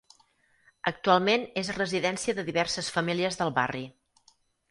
Actualment és residència de diverses famílies del barri.